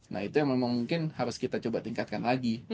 nah itu yang memang mungkin harus kita coba tingkatkan lagi